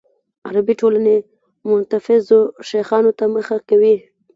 عربي ټولنې متنفذو شیخانو ته مخه کوي.